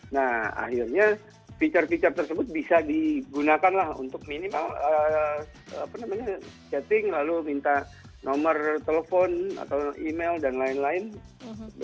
nah akhirnya fitur fitur tersebut bisa digunakan lah untuk minimal chatting lalu minta nomor telepon atau email dan lain lain